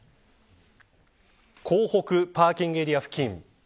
港北パーキングエリア付近。